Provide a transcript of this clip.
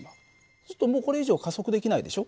するともうこれ以上加速できないでしょ。